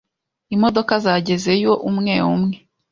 Imodoka zagezeyo umwe umwe.